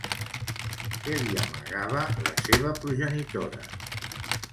Què li amagava la seva progenitora?